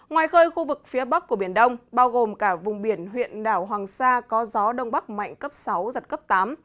ngoài khơi khu vực phía bắc của biển đông bao gồm cả vùng biển huyện đảo hoàng sa có gió đông bắc mạnh cấp sáu giật cấp tám